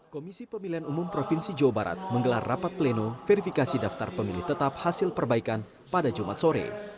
komisi pemilihan umum provinsi jawa barat menggelar rapat pleno verifikasi daftar pemilih tetap hasil perbaikan pada jumat sore